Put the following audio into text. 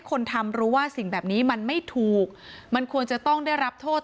คนทำรู้ว่าสิ่งแบบนี้มันไม่ถูกมันควรจะต้องได้รับโทษ